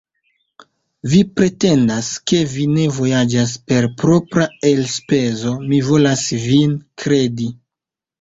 Vi pretendas, ke vi ne vojaĝas per propra elspezo; mi volas vin kredi.